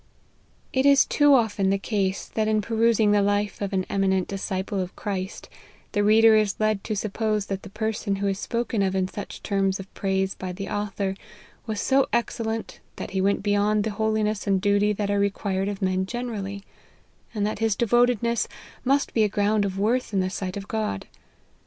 It is too often the case, that in perusing the life of an eminent disciple of Christ, the reader is led to suppose that the person who is spoken of in such terms of praise by the author, was so excellent that he went beyond the holiness and duty that are required of men generally, and that his devotedness must be a ground of worth in the sight of God.